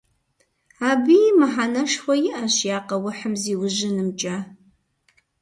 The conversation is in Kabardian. Абыи мыхьэнэшхуэ иӀэщ я къэухьым зиужьынымкӀэ.